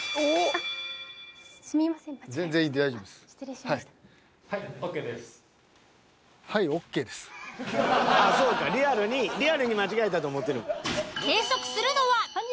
あっそうかリアルにリアルに間違えたと思ってるん？